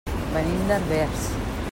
Venim de Herbers.